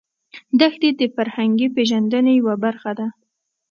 دښتې د فرهنګي پیژندنې یوه برخه ده.